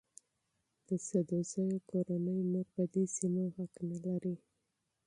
د سدوزو کورنۍ نور په دې سیمو حق نه لري.